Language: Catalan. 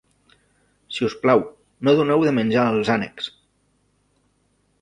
Si us plau, no doneu de menjar als ànecs!